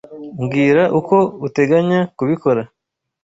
Mbwira uko uteganya kubikora.